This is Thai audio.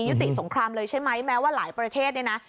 ยุติสงครามเลยใช่ไหมแม้ว่าหลายประเทศเนี่ยนะ